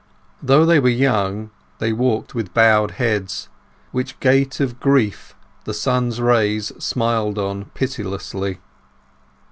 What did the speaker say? Though they were young, they walked with bowed heads, which gait of grief the sun's rays smiled on pitilessly.